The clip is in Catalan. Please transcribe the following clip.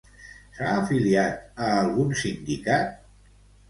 S'ha afiliat a algun sindicat?